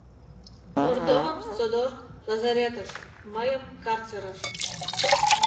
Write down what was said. Ордовым содор — лазаретыш, мыйым — карцерыш.